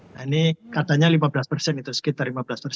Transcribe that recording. nah ini katanya lima belas persen itu sekitar lima belas persen